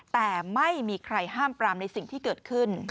แต่ไม่มีใครห้ามปรามในสิ่งที่เกิดขึ้น